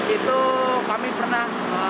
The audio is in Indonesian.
itu kami pernah